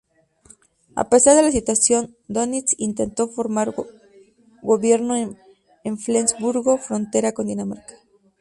A pesar de la situación, Dönitz intentó formar gobierno en Flensburgo, frontera con Dinamarca.